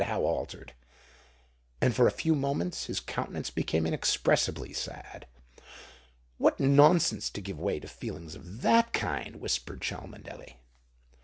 how altered!" And for a few moments his countenance became inexpressibly sad. "What nonsense to give way to feelings of that kind!" whispered Cholmondeley.